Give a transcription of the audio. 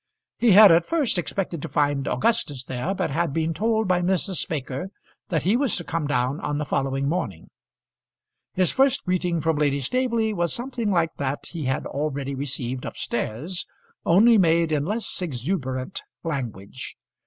He had at first expected to find Augustus there, but had been told by Mrs. Baker that he was to come down on the following morning. His first greeting from Lady Staveley was something like that he had already received up stairs, only made in less exuberant language.